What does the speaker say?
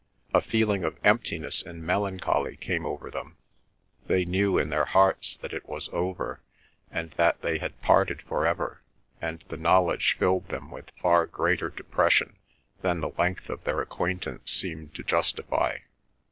A feeling of emptiness and melancholy came over them; they knew in their hearts that it was over, and that they had parted for ever, and the knowledge filled them with far greater depression than the length of their acquaintance seemed to justify.